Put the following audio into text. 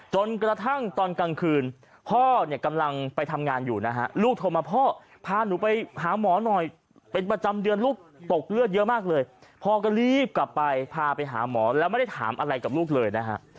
จนกระทั่งตอนกลางคืนพ่อเนี่ยกำลังไปทำงานอยู่นะฮะลูกโทรมาพ่อพาหนูไปหาหมอหน่อยเป็นประจำเดือนลูกตกเลือดเยอะมากเลยพ่อก็รีบกลับไปพาไปหาหมอแล้วไม่ได้ถามอะไรกับลูกเลยนะฮะ